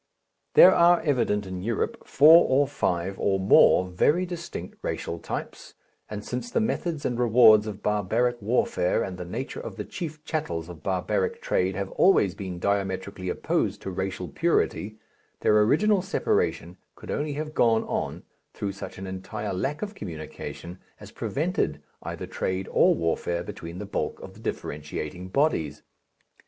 There are evident in Europe four or five or more very distinct racial types, and since the methods and rewards of barbaric warfare and the nature of the chief chattels of barbaric trade have always been diametrically opposed to racial purity, their original separation could only have gone on through such an entire lack of communication as prevented either trade or warfare between the bulk of the differentiating bodies.